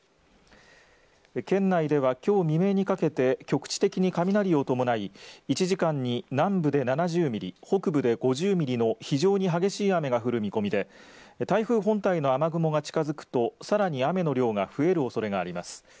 県内では、きょう未明にかけて局地的に雷を伴い１時間に南部で７０ミリ北部で５０ミリの非常に激しい雨が降る見込みで台風本体の雨雲が近づくとさらに雨の量が増えるおそれがあります。